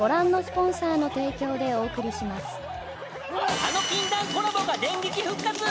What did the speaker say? ［あの禁断コラボが電撃復活！］